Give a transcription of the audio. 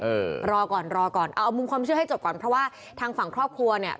เออรอก่อนรอก่อนเอาเอามุมความเชื่อให้จบก่อนเพราะว่าทางฝั่งครอบครัวเนี่ย